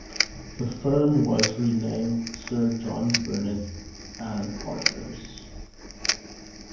The firm was renamed Sir John Burnet and Partners.